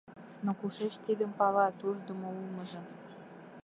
«Но кушеч тидым палат – ушдымо улмыжым?